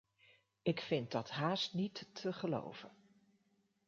Ik vindt dat haast niet te geloven.